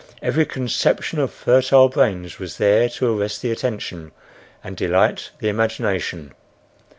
Every conception of fertile brains was there to arrest the attention and delight the imagination.